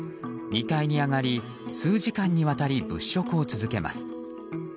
２階に上がり数時間にわたり物色を続けます。